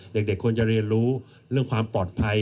เด็กควรจะเรียนรู้เรื่องความปลอดภัย